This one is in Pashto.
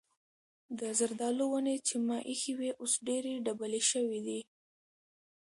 د زردالو ونې چې ما ایښې وې اوس ډېرې ډبلې شوې دي.